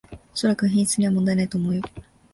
おそらく品質には問題ないと思うよ